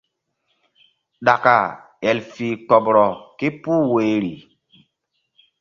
Ɗaka el fih kpoɓrɔ ke puh woyri.